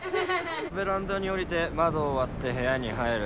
ベランダに降りて窓を割って部屋に入る。